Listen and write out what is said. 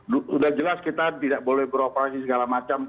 sudah jelas kita tidak boleh beroperasi segala macam